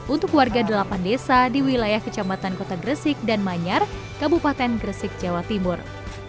untuk warga delapan desa di wilayah kecamatan kota gresik dan manyar kabupaten gresik jawa timur